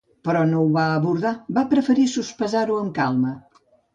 Però no ho va abordar, va preferir sospesar-ho amb calma.